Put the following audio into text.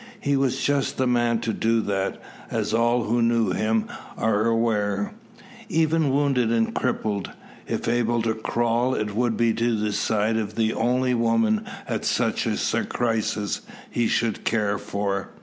He was just the man to do that, as all who knew him are aware. Even wounded and crippled, if able to crawl, it would be to the side of the only woman at such a crisis he should care for.